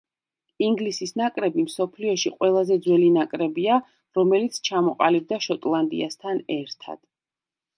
ინგლისის ნაკრები მსოფლიოში ყველაზე ძველი ნაკრებია, რომელიც ჩამოყალიბდა შოტლანდიასთან ერთად.